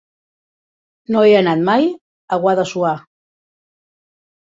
No he anat mai a Guadassuar.